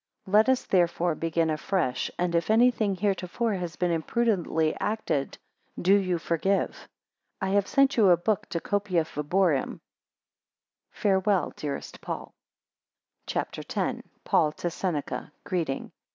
3 Let us therefore begin afresh; and if any thing heretofore has been imprudently acted, do you forgive. 4 I have sent you a book decopia verborum. Farewell, dearest Paul. CHAPTER X. PAUL to SENECA Greeting.